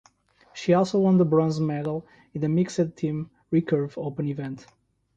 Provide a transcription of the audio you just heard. She also won the bronze medal in the mixed team recurve open event.